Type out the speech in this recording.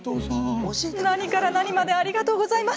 何から何までありがとうございます。